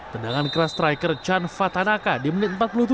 tendangan keras striker chan fatanaka di menit empat puluh tujuh